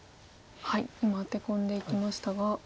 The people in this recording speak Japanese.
今アテ込んでいきましたが。